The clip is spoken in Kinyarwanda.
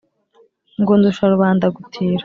Ngo ndusha rubanda gutira!